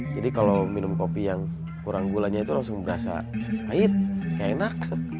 jadi kalau minum kopi yang kurang gulanya itu langsung berasa pahit kayak enak